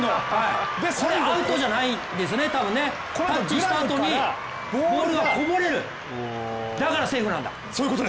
これアウトじゃないんですね、タッチしたあとにボールがこぼれる、だからセーフなんだ。